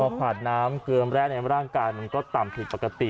พอขาดน้ำเกลือมแร่ในร่างกายมันก็ต่ำผิดปกติ